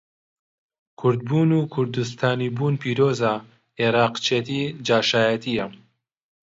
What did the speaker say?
کوردبوون و کوردستانی بوون پیرۆزە، عێڕاقچێتی جاشایەتییە.